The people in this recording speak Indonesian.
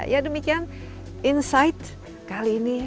ya demikian insight kali ini